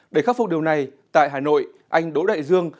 để khắc phục điều này tại hà nội anh đỗ đại dương